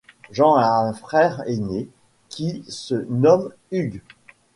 Jean a un frère aîné qui se nomme Hugh.